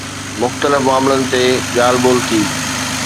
مختلف معاملن تي ڳالهه ٻولهه ٿي.